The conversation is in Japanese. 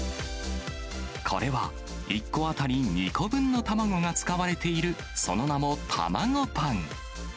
これは１個当たり２個分の卵が使われているその名も、たまごパン。